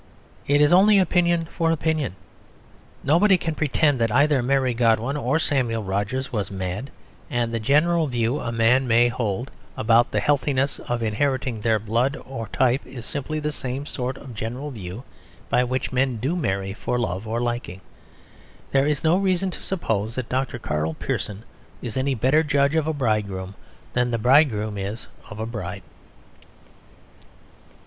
It is only opinion for opinion. Nobody can pretend that either Mary Godwin or Samuel Rogers was mad; and the general view a man may hold about the healthiness of inheriting their blood or type is simply the same sort of general view by which men do marry for love or liking. There is no reason to suppose that Dr. Karl Pearson is any better judge of a bridegroom than the bridegroom is of a bride.